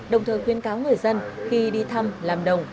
đồng thời khuyên cáo người dân khi đi thăm làm đồng